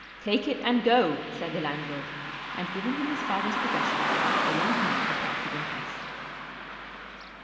"Take it and go," said the landlord. And giving him his father's possessions the young man departed in peace.